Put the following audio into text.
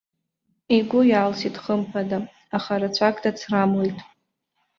Игәы иалсит, хымԥада, аха рацәак дацрамлеит.